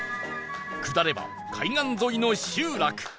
下れば海岸沿いの集落